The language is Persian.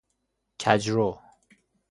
کجرو